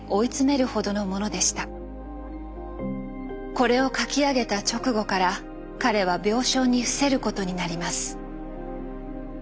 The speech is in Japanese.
これを書き上げた直後から彼は病床に伏せることになります。